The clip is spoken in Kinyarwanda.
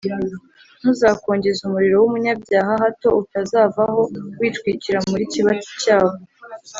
Ntuzakongeze umuriro w’umunyabyaha, hato utazavaho witwikira mu kibatsi cyawo